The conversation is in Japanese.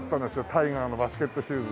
タイガーのバスケットシューズ。